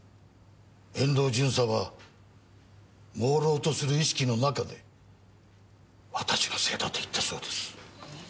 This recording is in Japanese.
遠藤巡査は朦朧とする意識の中で「私のせいだ」と言ったそうです。